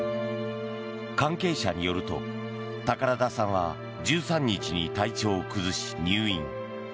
関係者によると、宝田さんは１３日に体調を崩し、入院。